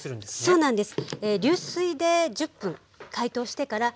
そうなんです。